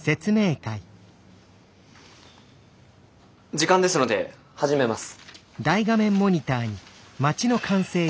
時間ですので始めます。